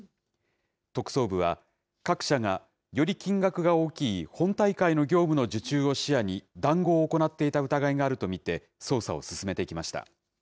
特捜部は、各社がより金額が大きい本大会の業務の受注を視野に談合を行っていた疑いがあると見て、捜査を進めてきました。